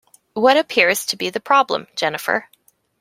What appears to be the problem, Jennifer?